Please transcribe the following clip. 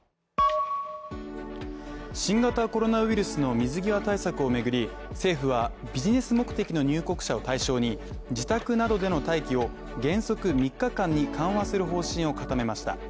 新型コロナウイルスの水際対策を巡り政府は、ビジネス目的の入国者を対象に自宅などでの待機を原則３日間に緩和する方針を固めました。